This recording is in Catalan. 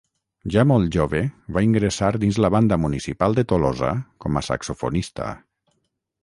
Ja molt jove va ingressar dins la banda municipal de Tolosa com a saxofonista.